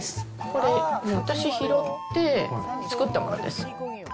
これ、私拾って作ったです。